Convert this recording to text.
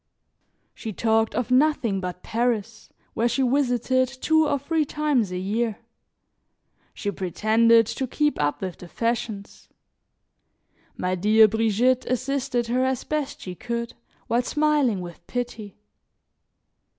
She talked of nothing but Paris, where she visited two or three times a year; she pretended to keep up with the fashions; my dear Brigitte assisted her as best she could, while smiling with pity.